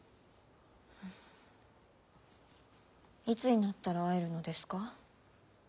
いつになったら会えるのですか。